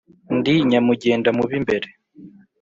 ndi nyamugenda mu b'imbere